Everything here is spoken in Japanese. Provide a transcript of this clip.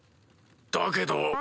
だけど。